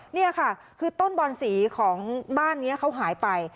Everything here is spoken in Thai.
นี่ค่ะคือต้นบอนสีของบ้านนี้เขาหายไป